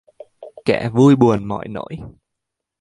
Cả vui buồn mọi nỗi